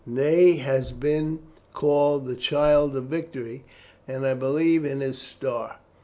Ney has been called 'the child of victory,' and I believe in his star.